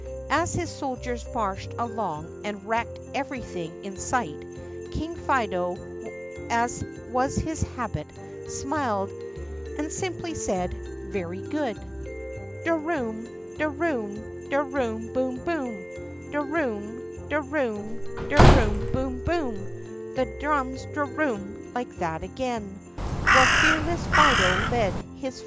As his soldiers marched along and wrecked everything in sight, King Fido, as was his habit, smiled and simply said, "Very good." D e room! de room! de room ! boom! boom! De room ! de room ! de room ! boom! boom ! The drums de roomed like that again, While fearless Fido led his fighting men. The S.